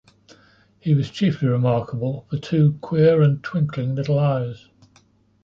He was chiefly remarkable for two queer and twinkling little eyes.